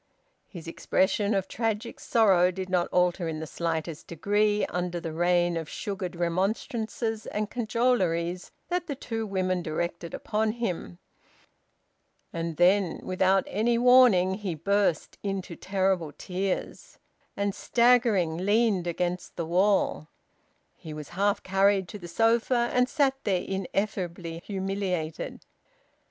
His expression of tragic sorrow did not alter in the slightest degree under the rain of sugared remonstrances and cajoleries that the two women directed upon him. And then, without any warning, he burst into terrible tears, and, staggering, leaned against the wall. He was half carried to the sofa, and sat there, ineffably humiliated.